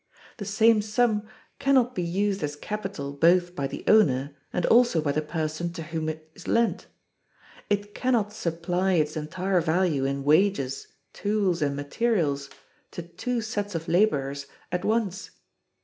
The same sum can not be used as capital both by the owner and also by the person to whom it is lent; it can not supply its entire value in wages, tools, and materials, to two sets of laborers at once.